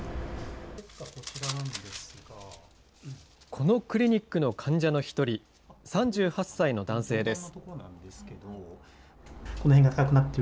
このクリニックの患者の１人、３８歳の男性です。